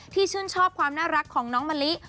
ชื่นชอบความน่ารักของน้องมะลิ